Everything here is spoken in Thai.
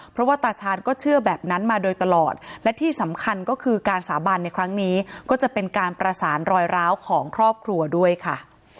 เพราะว่าตาชาญก็เชื่อแบบนั้นมาโดยตลอดและที่สำคัญก็คือการสาบานในครั้งนี้ก็จะเป็นการประสานรอยร้าวของครอบครัวด้วยค่ะ